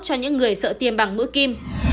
cho những người sợ tiêm bằng mũi kim